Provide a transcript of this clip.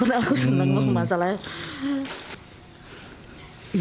aku senang banget masalahnya